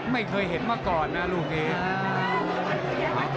ไม่เคยเห็นมาก่อนนะลูกนี้